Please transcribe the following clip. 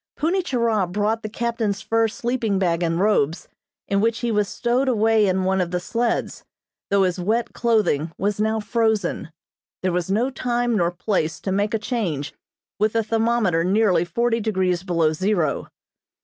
Punni Churah brought the captain's fur sleeping bag and robes, in which he was stowed away in one of the sleds, though his wet clothing was now frozen. There was no time nor place to make a change, with the thermometer nearly forty degrees below zero.